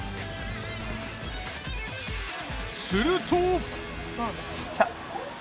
すると。